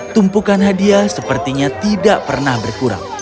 tumpukan hadiah sepertinya tidak pernah berkurang